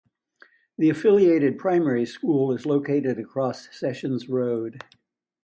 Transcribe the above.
The affiliated primary school is located across Sessions Road.